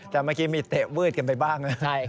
แต่เมื่อกี้มีเตะวืดกันไปบ้างนะ